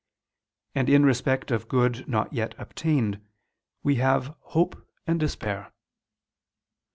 And in respect of good not yet obtained, we have hope and _despair.